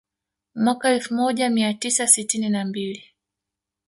Mwaka elfu moja mia tisa sitini na mbili